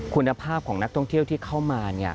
คุณภาพของนักท่องเที่ยวที่เข้ามา